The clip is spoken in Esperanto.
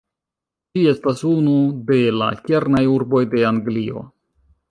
Ĝi estas unu de la kernaj urboj de Anglio.